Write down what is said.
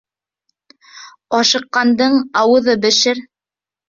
Ашыҡҡандың ауыҙы бешер.